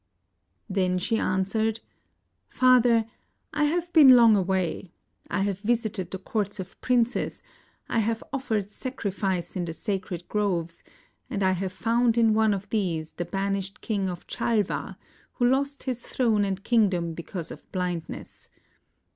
Then she answered: "Father, I have been long away; I have visited the courts of princes; I have offered sacri fice in the sacred groves, and I have found in one of these the banished King of Chalva, who lost his throne and kingdom because of blindness.